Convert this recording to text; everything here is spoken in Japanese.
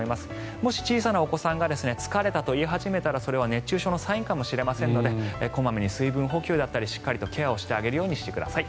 もし小さなお子さんが疲れたと言い始めたらそれは熱中症のサインかもしれませんので小まめに水分補給だったりしっかりケアをしてあげるようにしてください。